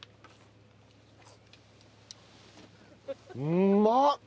うまっ！